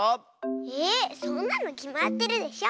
えそんなのきまってるでしょ。